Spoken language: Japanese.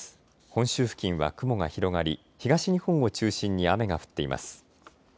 本州付近は雲が広がり東日本を中心に雨が降っています。